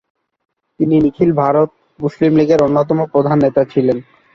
তিনি নিখিল ভারত মুসলিম লীগের অন্যতম প্রধান নেতা ছিলেন।